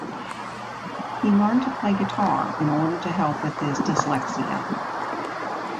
He learned to play guitar in order to help with his dyslexia.